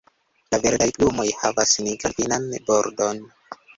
La verdaj plumoj havas nigran finan bordon.